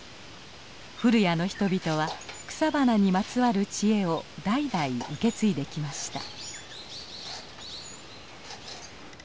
古屋の人々は草花にまつわる知恵を代々受け継いできました。